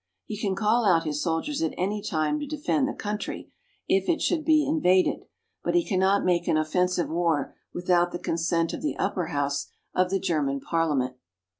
He can call out his soldiers at any time to defend the country, if it should be invaded ; but he cannot make an offensive war without the consent of the upper house of the German Parliament.